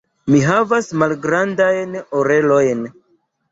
Mi havas malgrandajn orelojn.